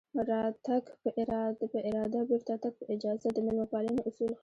راتګ په اراده بېرته تګ په اجازه د مېلمه پالنې اصول ښيي